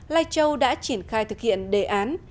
lai châu đã triển khai thực hiện đề án